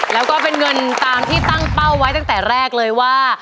แล้วก็เป็นเงินตามที่ตั้งเป้าไว้ตั้งแต่แรกเลยว่า